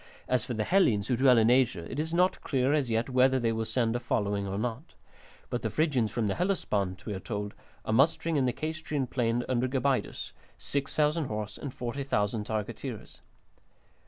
As for the Hellenes who dwell in Asia, it is not clear as yet whether they will send a following or not. But the Phrygians from the Hellespont, we are told, are mustering in the Caystrian plain under Gabaidus, 6000 horse and 40,000 targeteers.